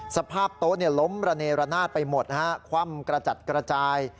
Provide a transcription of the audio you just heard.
สภาพโต๊ะล้มระเนระนาดไปหมดนะฮะคว่ำกระจัดกระจาย